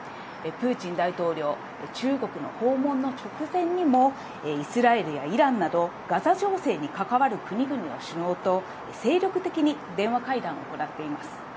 プーチン大統領、中国の訪問の直前にも、イスラエルやイランなど、ガザ情勢に関わる国々の首脳と、精力的に電話会談を行っています。